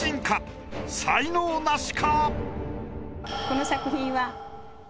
この作品は。